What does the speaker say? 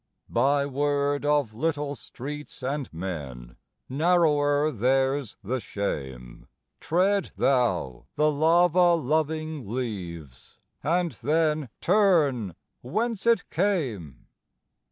By word of little streets and men, Narrower theirs the shame, Tread thou the lava loving leaves, and then Turn whence it came.